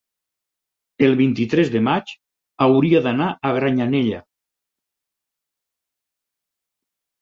el vint-i-tres de maig hauria d'anar a Granyanella.